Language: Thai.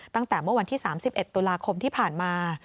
ตั้งแต่เมื่อวันที่๓๑ตุลาคมที่ผ่านมา